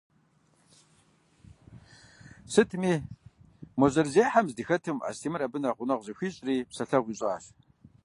Сытми, мо зэрызехьэм здыхэтым, Астемыр абы нэхъ гъунэгъу зыхуищӏри, псэлъэгъу ищӏащ.